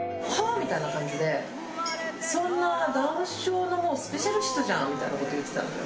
みたいな感じで、そんなダウン症のスペシャリストじゃんみたいなことを言ってたんですよ。